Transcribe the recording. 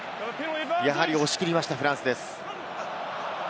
やはり押し切りました、フランスです。